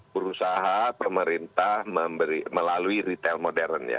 berusaha pemerintah melalui retail modern ya